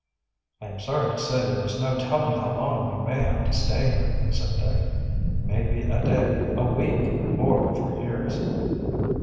"I am sorry to say there is no telling how long we may have to stay here," said Dick. "It may be a day, a week, or for years."